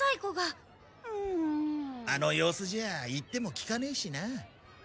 あの様子じゃ言っても聞かねえしな。